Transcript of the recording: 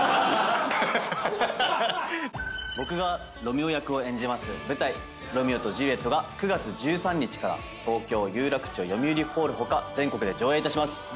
僕がロミオ役を演じます舞台『ロミオとジュリエット』が９月１３日から東京有楽町よみうりホール他全国で上演いたします。